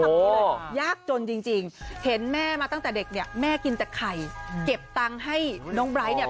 นี้เลยยากจนจริงเห็นแม่มาตั้งแต่เด็กเนี่ยแม่กินแต่ไข่เก็บตังค์ให้น้องไบร์ทเนี่ย